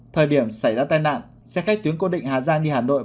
thời điểm xảy ra tai nạn xe khách tuyến cố định hà giang đi hà nội